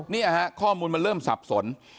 เนี่ยฮะข้อมูลมันเริ่มสับสน